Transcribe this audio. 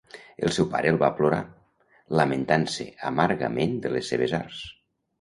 El seu pare el va plorar, lamentant-se amargament de les seves arts.